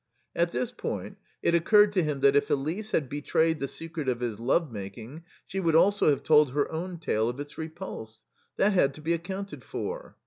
At this point it occurred to him that if Elise had betrayed the secret of his love making she would also have told her own tale of its repulse. That had to be accounted for.